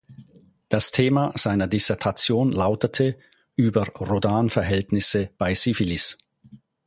Das Thema seiner Dissertation lautete "Über Rhodanverhältnisse bei Syphilis".